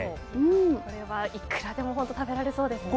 これはいくらでも食べられそうですね。